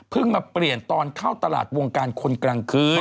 มาเปลี่ยนตอนเข้าตลาดวงการคนกลางคืน